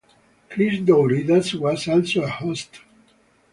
Chris Douridas was also a host.